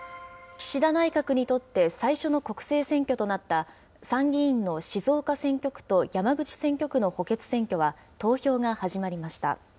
岸田内閣にとって最初の国政選挙となった参議院の静岡選挙区と山口選挙区の補欠選挙は投票が始まりました。